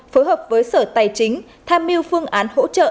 phối hợp với sở tài chính tham mưu phương án hỗ trợ